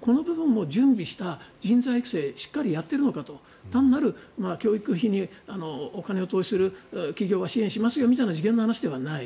この部分を準備した人材育成やっているのかと単なる教育費にお金を投資する企業が支援しますよみたいな話ではない。